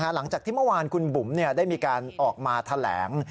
หลังจากที่เมื่อวานคุณบุ๋มได้มีการออกมาแถลง